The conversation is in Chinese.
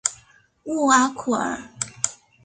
穆阿库尔。